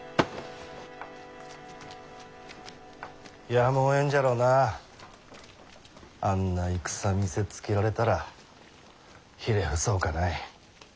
やむをえんじゃろうなあんな戦見せつけられたらひれ伏すほかない。